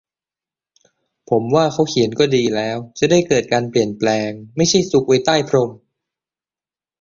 ผมว่าเขาเขียนก็ดีแล้ว จะได้เกิดการเปลี่ยนแปลง ไม่ใช่ซุกไว้ใต้พรม